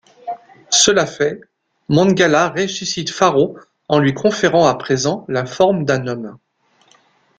Cela fait, Mangala ressuscite Fâro en lui conférant à présent la forme d'un homme.